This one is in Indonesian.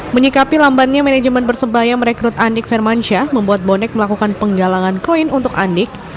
menyikapi lambatnya manajemen persebaya merekrut andik firmansyah membuat bonek melakukan penggalangan koin untuk andik